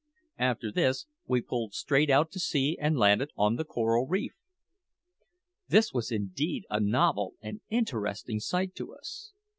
After this we pulled straight out to sea, and landed on the coral reef. This was indeed a novel and interesting sight to us.